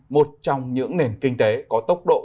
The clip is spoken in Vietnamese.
một trong những nền kinh tế có tốc độ